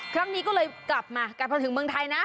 ครั้งนี้ก็เลยกลับมากลับมาถึงเมืองไทยนะ